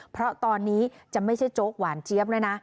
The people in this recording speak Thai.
เพราะตอนนี้จะไม่ใช่โจ๊กหวานเจี๊ยบแล้วนะ